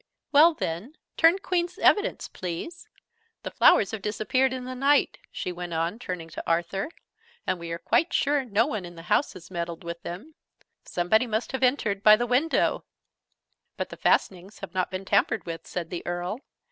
"Well then, turn Queen's Evidence, please! The flowers have disappeared in the night," she went on, turning to Arthur, "and we are quite sure no one in the house has meddled with them. Somebody must have entered by the window " "But the fastenings have not been tampered with," said the Earl.